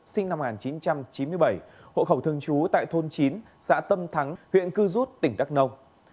sinh năm một nghìn chín trăm chín mươi bảy hộ khẩu thường trú tại thôn chín xã tâm thắng huyện cư rút tỉnh đắk nông